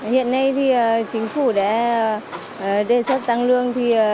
hiện nay thì chính phủ đã đề xuất tăng lương